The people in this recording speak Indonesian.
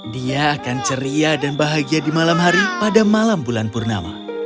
dia akan ceria dan bahagia di malam hari pada malam bulan purnama